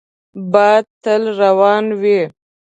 باد تل روان وي